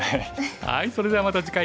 はいそれではまた次回。